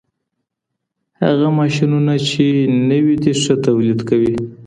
هغه ماشينونه چي نوي دي، ښه توليد کوي.